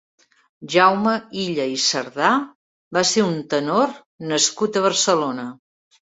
Jaume Illa i Cerdà va ser un tenor nascut a Barcelona.